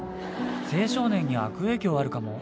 青少年に悪影響あるかも？